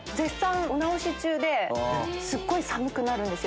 すっごい寒くなるんですよ